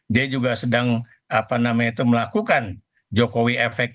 dia juga sedang apa namanya itu melakukan jokowi efek